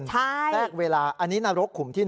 แทรกเวลาอันนี้นรกขุมที่๑